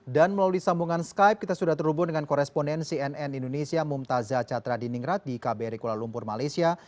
dan melalui sambungan skype kita sudah terhubung dengan koresponensi nn indonesia mumtazah catra diningrat di kbr kuala lumpur malaysia